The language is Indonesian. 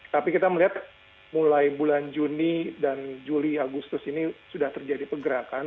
tapi kita melihat mulai bulan juni dan juli agustus ini sudah terjadi pergerakan